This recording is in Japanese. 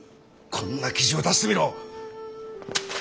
こんな記事を出してみろ。